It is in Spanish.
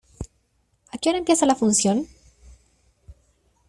¿A qué hora empieza la función?